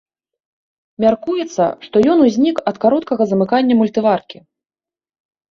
Мяркуецца, што ён узнік ад кароткага замыкання мультываркі.